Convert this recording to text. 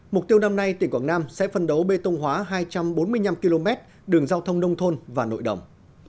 mục tiêu năm nay tỉnh quảng nam sẽ phân đấu bê tông hóa hai trăm bốn mươi năm km đường giao thông nông thôn và nội đồng